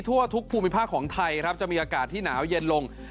ทั่วทุกภูมิภาคของไทยครับจะมีอากาศที่หนาวเย็นลง